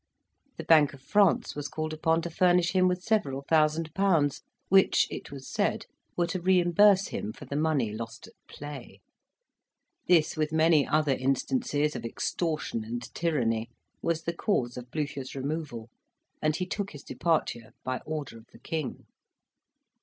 The Bank of France was called upon to furnish him with several thousand pounds, which, it was said, were to reimburse him for the money lost at play. This, with many other instances of extortion and tyranny, was the cause of Blucher's removal, and he took his departure by order of the King.